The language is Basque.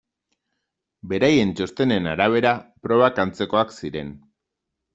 Beraien txostenen arabera probak antzekoak ziren.